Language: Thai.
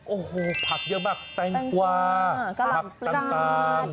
โอ้โหผักเยอะมากแตงกวาผักต่าง